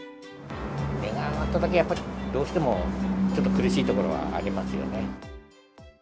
値が上がっただけ、やっぱりどうしても、ちょっと苦しいところはありますよね。